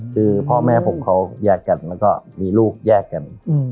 คือพ่อแม่ผมเขาแยกกันแล้วก็มีลูกแยกกัน